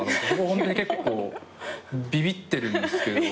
ホントに結構ビビってるんですけど。